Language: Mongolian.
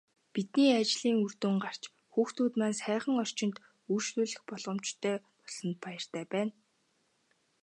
Бидний ажлын үр дүн гарч, хүүхдүүд маань сайхан орчинд үйлчлүүлэх боломжтой болсонд баяртай байна.